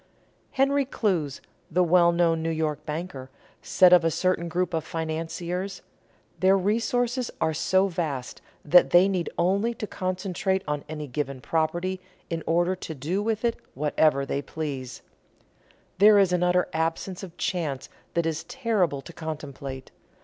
Henry Clews, the well known New York banker, said of a certain group of financiers: "Their resources are so vast that they need only to concentrate on any given property in order to do with it what they please.... There is an utter absence of chance that is terrible to contemplate.